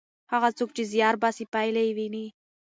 هغه څوک چې زیار باسي پایله یې ویني.